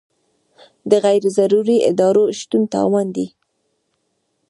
د غیر ضروري ادارو شتون تاوان دی.